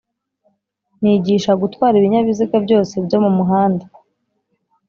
Nigisha gutwara ibinyabiziga byose byo mumuhanda